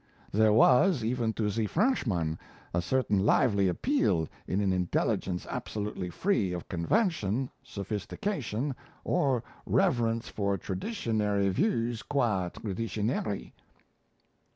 There was, even to the Frenchman, a certain lively appeal in an intelligence absolutely free of convention, sophistication, or reverence for traditionary views qua traditionary."